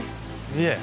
いえ。